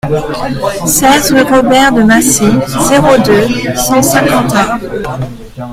seize rue Robert de Massy, zéro deux, cent Saint-Quentin